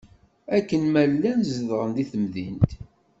Akken ma llan zedɣen di temdint.